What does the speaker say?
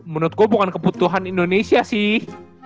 menurut gue bukan kebutuhan indonesia sih